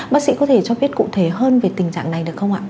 bác sĩ có thể cho biết cụ thể hơn về tình trạng này được không ạ